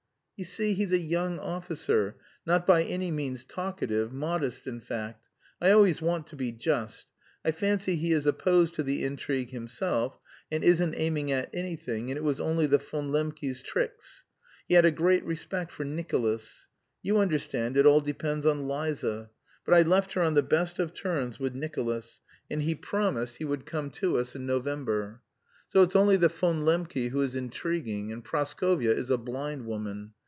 "You see, he's a young officer, not by any means talkative, modest in fact. I always want to be just. I fancy he is opposed to the intrigue himself, and isn't aiming at anything, and it was only the Von Lembke's tricks. He had a great respect for Nicolas. You understand, it all depends on Liza. But I left her on the best of terms with Nicolas, and he promised he would come to us in November. So it's only the Von Lembke who is intriguing, and Praskovya is a blind woman.